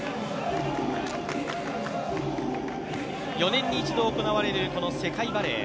４年に一度行われる、この世界バレー。